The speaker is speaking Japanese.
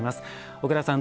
小倉さん